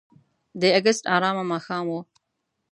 د اګست آرامه ماښام و.